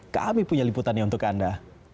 kami punya liputannya untuk anda